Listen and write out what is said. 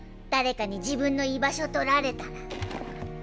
誰かに自分の居場所取られたら。